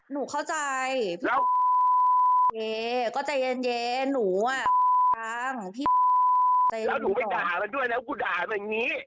แล้วถ้าที่นี้ไม่ได้ด่ามาด้วยแล้วก็ด่ามันอย่างนี้